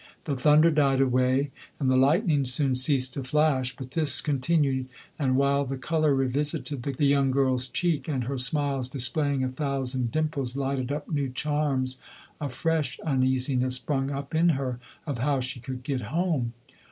The thunder died away, and the lightning soon ceased to flash, but this continued; and while the colour revisited the young giiTs cheek, and her smiles, displaying a thousand dimples, lighted up new charms, a fresh uneasiness sprung up in her of how she could get home.